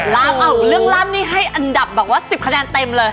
ล่ำเอ้าเล่วล่ำนี่ให้อันดับแบบ๑๐คะแนนเต็มเลย